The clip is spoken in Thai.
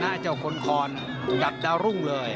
ชนะเจ้าคนคอร์นดับเดรุงเลย